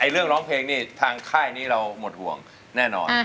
เรื่องร้องเพลงนี่ทางค่ายนี้เราหมดห่วงแน่นอน